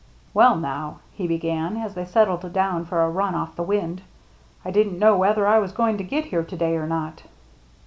" Well, now," he be gan, as they settled down for a run off the wind, " I didn't know whether I was going to get here to day or not."